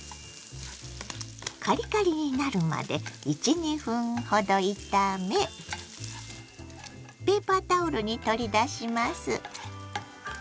カリカリになるまで１２分ほど炒めペーパータオルに取り出します。